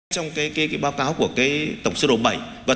trong báo cáo của tổng sơ đồ bảy